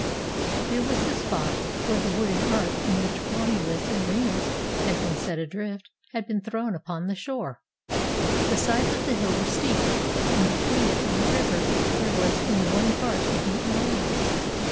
Here was the spot where the wooden ark in which Romulus and Remus had been set adrift had been thrown upon the shore. The sides of the hill were steep, and between it and the river there was in one part a deep morass.